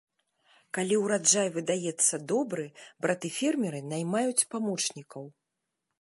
Калі ўраджай выдаецца добры, браты-фермеры наймаюць памочнікаў.